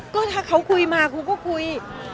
ก็ถ้าเขาคุยมาครูก็คุย